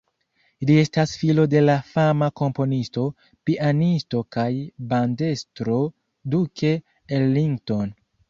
Li estas filo de la fama komponisto, pianisto kaj bandestro Duke Ellington.